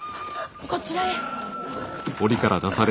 こちらへ。